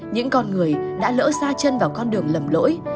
những con người đã lỡ xa chân vào con đường lầm lỗi